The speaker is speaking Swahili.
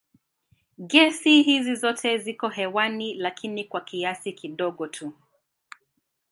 Gesi hizi zote ziko hewani lakini kwa kiasi kidogo tu.